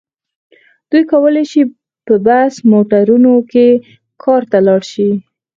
دوی کولای شي په بس موټرونو کې کار ته لاړ شي.